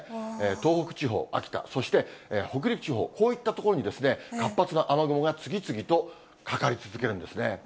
東北地方、秋田、そして北陸地方、こういった所に、活発な雨雲が次々とかかり続けるんですね。